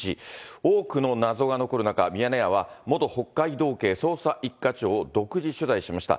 多くの謎が残る中、ミヤネ屋は、元北海道警捜査１課長を独自取材しました。